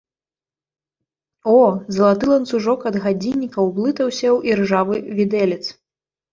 О, залаты ланцужок ад гадзінніка ўблытаўся ў іржавы відэлец!